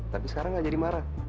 tapi sekarang nggak jadi marah